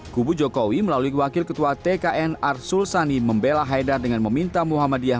kubu jokowi melalui wakil ketua tkn arsul sani membela haidar dengan meminta muhammadiyah